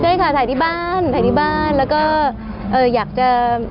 ใช่ค่ะถ่ายที่บ้านถ่ายที่บ้านแล้วก็อยากจะ